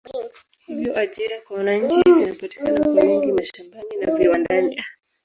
Hivyo ajira kwa wananchi zinapatikana kwa wingi mashambani na viwandani